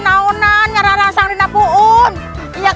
tidak tidak tidak tidak tidak tidak tidak